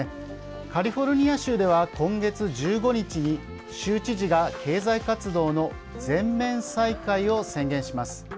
カリフォルニア州では今月１５日に州知事が経済活動の全面再開を宣言します。